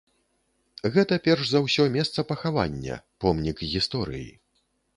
Гэта перш за ўсё месца пахавання, помнік гісторыі.